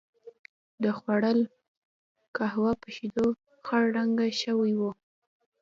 و خوړل، قهوه په شیدو خړ رنګه شوې وه.